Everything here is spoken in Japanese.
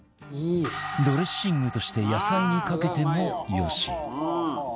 ドレッシングとして野菜にかけても良し